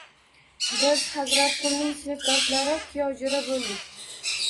Biz, Hazratqulning sinfdoshlari kuyovjoʻra boʻldik.